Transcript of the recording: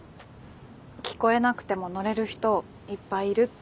聞こえなくても乗れる人いっぱいいるって。